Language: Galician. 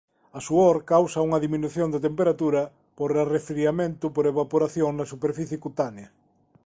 A suor causa unha diminución da temperatura por arrefriamento por evaporación na superficie cutánea.